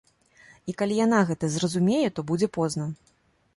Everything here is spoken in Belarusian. І калі яна гэта зразумее, то будзе позна.